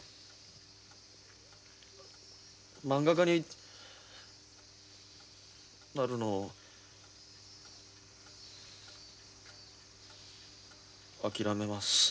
まんが家になるのを諦めます。